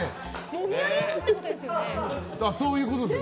もみあげもってことですね。